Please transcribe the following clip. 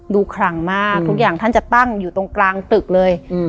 คลังมากทุกอย่างท่านจะตั้งอยู่ตรงกลางตึกเลย